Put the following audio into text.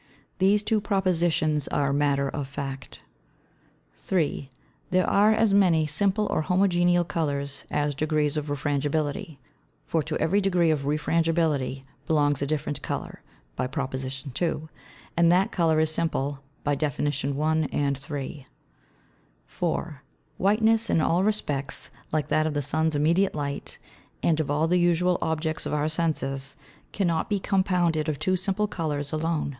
These Two Propositions are Matter of Fact. 3. There are as many Simple or Homogeneal Colours, as Degrees of Refrangibility. For to every Degree of Refrangibility belongs a different Colour, by Prop. 2. and that Colour is Simple, by Def. 1, and 3. 4. Whiteness, in all respects like that of the Sun's immediate Light, and of all the usual Objects of our Senses, cannot be compounded of two Simple Colours alone.